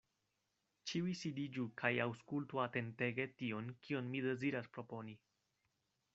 Ĉiuj sidiĝu kaj aŭskultu atentege tion, kion mi deziras proponi.